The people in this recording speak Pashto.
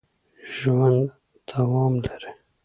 ژوند دوام لري